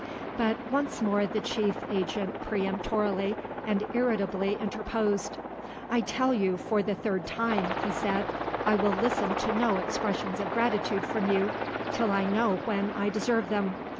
But once more the chief agent peremptorily and irritably interposed: "I tell you, for the third time," he said, "I will listen to no expressions of gratitude from you till I know when I deserve them.